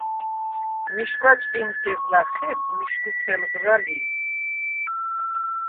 მიშგვა ჭყინტგეზლა̈ ხეხვ მიშგუ თელღრა ლი.